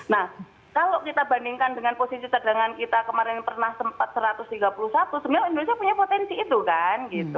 nah kalau kita bandingkan dengan posisi cadangan kita kemarin pernah sempat satu ratus tiga puluh satu sebenarnya indonesia punya potensi itu kan gitu